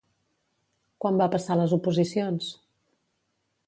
Quan va passar les oposicions?